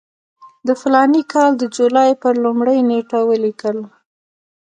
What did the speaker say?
د فلاني کال د جولای پر لومړۍ نېټه ولیکل.